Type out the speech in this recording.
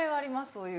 そういう。